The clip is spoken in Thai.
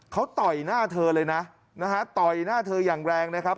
เขาต่อยหน้าเธอเลยนะนะฮะต่อยหน้าเธออย่างแรงนะครับ